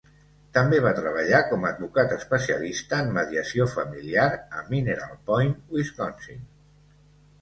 També va treballar com a advocat especialista en mediació familiar a Mineral Point, Wisconsin.